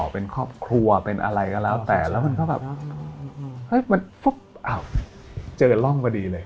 เป็นครอบครัวเป็นอะไรก็แล้วแต่แล้วมันก็แบบเจอร่องพอดีเลย